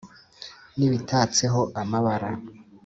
N'ibitatseho amabara